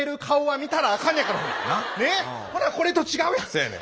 せやねん。